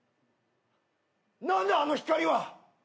何だあの光は！